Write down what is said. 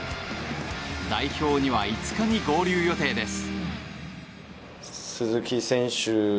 代表には５日に合流予定です。